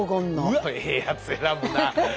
うわっええやつ選ぶな。